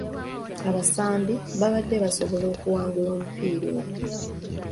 Abasambi babadde basobola okuwangula omupiira ogwo.